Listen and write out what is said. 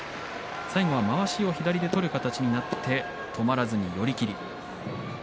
最後はまわしを左で取る形になって止まらずに寄り切り。